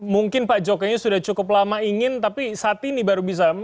mungkin pak jokowi sudah cukup lama ingin tapi saat ini baru bisa